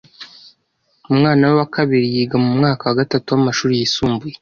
Umwana we wa kabiri yiga mu mwaka wa gatatu w’amashuri yisumbuye